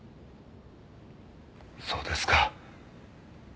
そうですか。